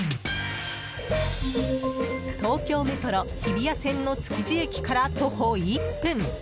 東京メトロ日比谷線の築地駅から徒歩１分。